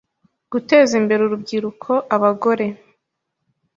Guteza imbere urubyiruko abagore